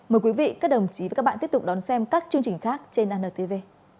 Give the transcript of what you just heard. mời quý vị các đồng chí và các bạn tiếp tục đón xem các chương trình khác trên antv